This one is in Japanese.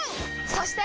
そして！